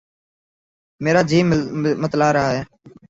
میرا جی متلا رہا ہے